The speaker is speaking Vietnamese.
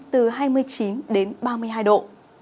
từ hai mươi chín đến ba mươi hai độ